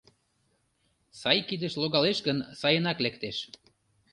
— Сай кидыш логалеш гын, сайынак лектеш.